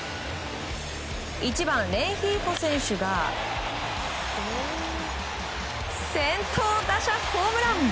１番、レンフィーフォ選手が先頭打者ホームラン！